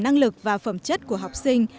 năng lực và phẩm chất của học sinh